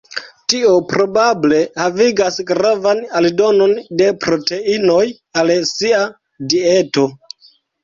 Tio probable havigas gravan aldonon de proteinoj al sia dieto.